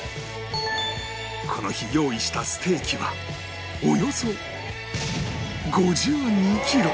この日用意したステーキはおよそ５２キロ！